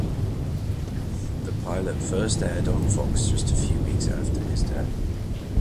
The pilot first aired on Fox just a few weeks after his death.